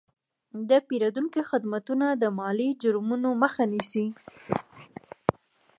د پیرودونکو خدمتونه د مالي جرمونو مخه نیسي.